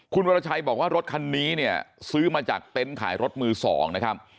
คุณวรชัยบอกว่ารถคันนี้เนี่ยซื้อมาจากเต็นต์ขายรถมือ๒นะครับ